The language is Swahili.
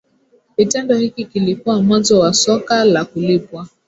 Kitendo hiki kilikuwa mwanzo wa soka la kulipwa